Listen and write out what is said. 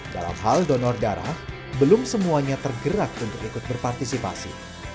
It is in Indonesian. dalam hal donor darah belum semuanya tergerak untuk ikut berpartisipasi